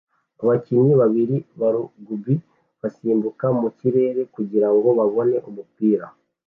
abakinyi babiri ba rugby basimbukira mu kirere kugirango babone umupira